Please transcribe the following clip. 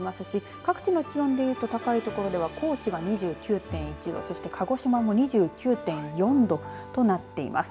各地の気温でいうと高い所では高知が２９．１度鹿児島も２９．４度となっています。